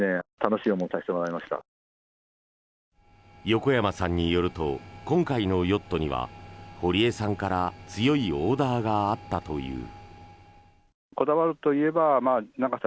横山さんによると今回のヨットには堀江さんから強いオーダーがあったという。